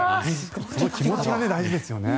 気持ちが大事ですよね。